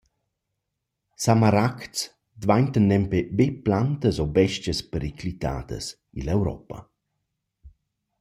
«Samaragds» dvaintan nempe be plantas o bes-chas periclitadas ill’Europa.